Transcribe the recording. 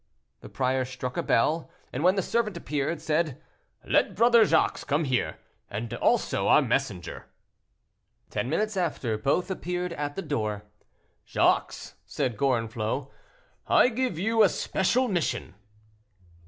The prior struck a bell, and when the servant appeared said, "Let Brother Jacques come here, and also our messenger." Ten minutes after both appeared at the door. "Jacques," said Gorenflot, "I give you a special mission."